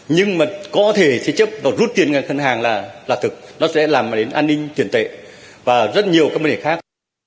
nhưng mà có thể thì chấp đột rút tiền ngân hàng là thực nó sẽ làm đến an ninh tiền tệ và rất nhiều các bản đề khác